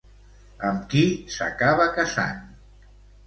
Amb qui s'acaba casant?